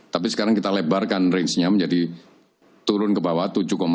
tapi sekarang kita lebarkan rangenya menjadi turun ke bawah